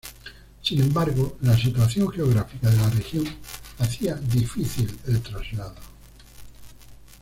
Sin embargo, la situación geográfica de la región hacía difícil el traslado.